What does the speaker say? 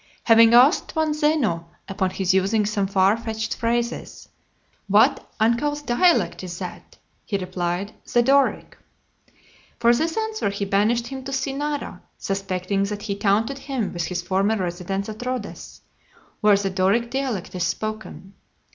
Having asked one Zeno, upon his using some far fetched phrases, "What uncouth dialect is that?" he replied, "The Doric." For this answer he banished him to Cinara , suspecting that he taunted him with his former residence at Rhodes, where the Doric dialect is spoken.